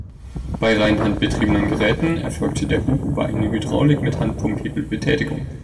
Bei rein handbetriebenen Geräten erfolgte der Hub über eine Hydraulik mit Handpumphebel-Betätigung.